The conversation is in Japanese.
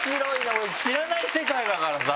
俺知らない世界だからさ。